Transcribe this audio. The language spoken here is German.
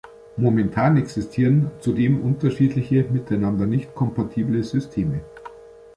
Momentan existieren zudem unterschiedliche, miteinander nicht kompatible Systeme.